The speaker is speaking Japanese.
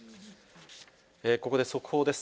ここで速報です。